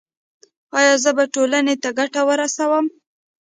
ایا زه به ټولنې ته ګټه ورسوم؟